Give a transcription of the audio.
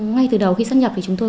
ngay từ đầu khi sắp nhập thì chúng tôi